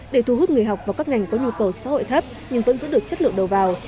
để thu hút người học vào các ngành có nhu cầu xã hội thấp nhưng vẫn giữ được chất lượng đầu vào